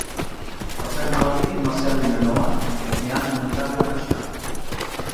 Per Sant Jordi en Marcel i na Noa aniran a Montcada i Reixac.